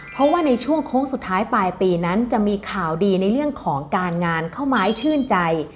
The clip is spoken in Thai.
เพราะว่าในช่วงโค้งสุดท้ายปลายปีนั้นจะมีข่าวดีในเรื่องของการงานเข้ามาให้ชื่นใจ